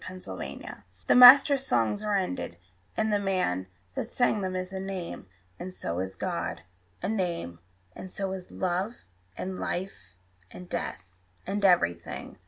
Walt Whitman The master songs are ended, and the man That sang them is a name. And so is God A name; and so is love, and life, and death, And everything.